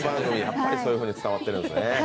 そういうふうに伝わっているんですね。